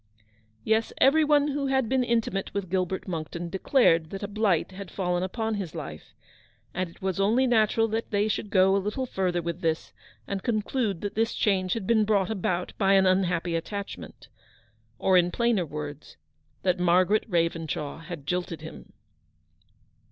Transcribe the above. Yes; every one who had been intimate with Gilbert Monckton declared that a blight had fallen upon his life j and it was only natural 314 Eleanor's victory. that they should go a little further than this, and conclude that this change had been brought about by an unhappy attachment ; or in plainer words, that Margaret Ravenshaw had jilted him.